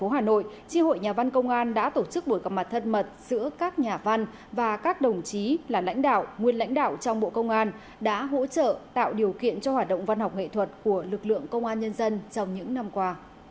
hà nội tri hội nhà văn công an đã tổ chức buổi gặp mặt thân mật giữa các nhà văn và các đồng chí là lãnh đạo nguyên lãnh đạo trong bộ công an đã hỗ trợ tạo điều kiện cho hoạt động văn học nghệ thuật của lực lượng công an nhân dân trong những năm qua